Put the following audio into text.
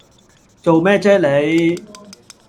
做咩啫你